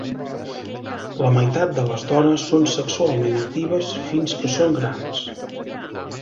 La meitat de les dones són sexualment actives fins que són grans.